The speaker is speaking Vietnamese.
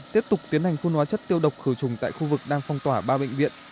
tiếp tục tiến hành phun hóa chất tiêu độc khử trùng tại khu vực đang phong tỏa ba bệnh viện